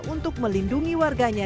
untuk melindungi warganya